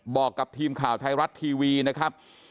บอกกับทีมข่าวไทยรัฐทีวีนะครับ